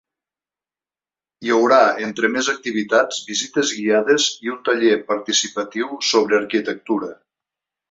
Hi haurà, entre més activitats, visites guiades i un taller participatiu sobre arquitectura.